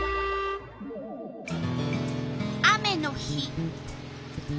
雨の日。